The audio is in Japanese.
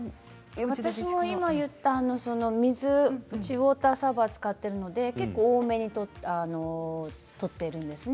ウォーターサーバーを使っているので結構、多めに取っているんですね。